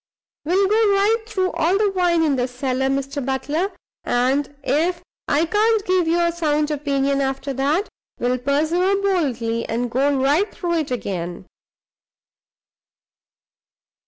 We'll go right through all the wine in the cellar, Mr. Butler; and if I can't give you a sound opinion after that, we'll persevere boldly, and go right through it again.